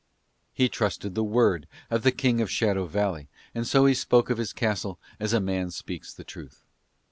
He trusted the word of the King of Shadow Valley and so he spoke of his castle as a man speaks the truth.